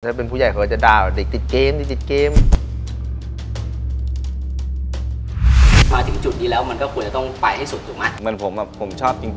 ถ้าเป็นผู้ใหญ่เขาคงจะด่าติดเกม